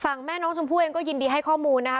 แม่น้องชมพู่เองก็ยินดีให้ข้อมูลนะคะ